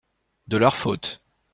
De leur faute.